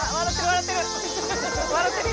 笑ってるよ」